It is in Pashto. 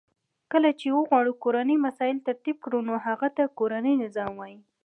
کله چی وغواړو کورنی مسایل ترتیب کړو نو هغه ته کورنی نظام وای .